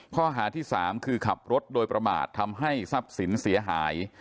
ข้อหาที่๓คือขับรถโดยประมาททำให้ทรัพย์สินเสียหาย